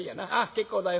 結構だよ」。